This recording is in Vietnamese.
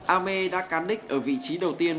ame đã can đích ở vị trí đầu tiên